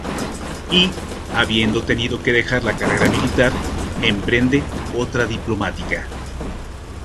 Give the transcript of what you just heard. Y, habiendo tenido que dejar la carrera militar, emprende otra diplomática.